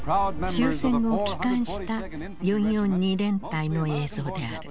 終戦後帰還した４４２連隊の映像である。